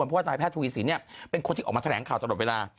เพราะว่านายแพทย์ทวีสินเป็นคนที่ออกมาแถลงข่าวตลอดเวลา